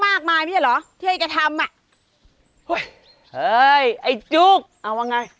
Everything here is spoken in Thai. มากมายไม่ใช่เหรอที่ให้เก๋ทำอ่ะเฮ้ยเฮ้ยไอ้จุ๊กเอาว่าไง